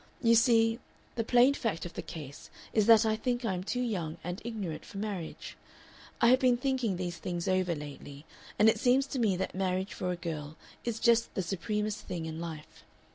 You see, the plain fact of the case is that I think I am too young and ignorant for marriage. I have been thinking these things over lately, and it seems to me that marriage for a girl is just the supremest thing in life.